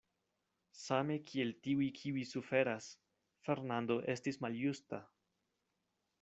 Same kiel tiuj, kiuj suferas, Fernando estis maljusta.